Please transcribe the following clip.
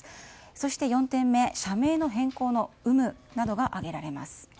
そして４点目、社名の変更の有無などが挙げられます。